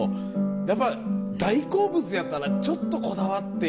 やっぱ大好物やったらちょっとこだわって。